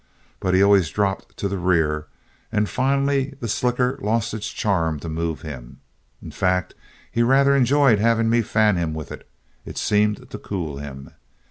But he always dropped to the rear, and finally the slicker lost its charm to move him. In fact he rather enjoyed having me fan him with it it seemed to cool him.